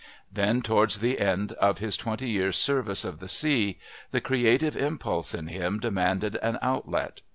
Then, towards the end of his twenty years' service of the sea, the creative impulse in him demanded an outlet.